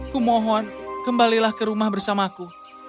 kumohon kembalilah ke rumah bersamaku